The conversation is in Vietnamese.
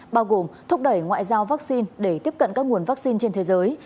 bao gồm thúc đẩy ngoại giao vaccine để tiếp cận các nguồn vaccine trên thế giới